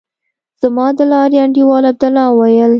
زما د لارې انډيوال عبدالله وويل.